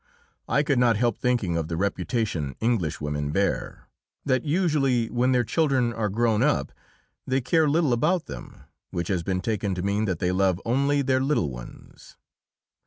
I could not help thinking of the reputation Englishwomen bear: that usually, when their children are grown up, they care little about them which has been taken to mean that they love only their little ones.